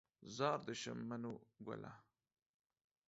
زار دې شم بنو ګله